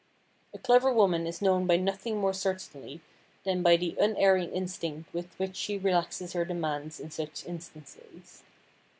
A clever woman is known by nothing more certainly than by the unerring instinct with which she relaxes her demands in such instances.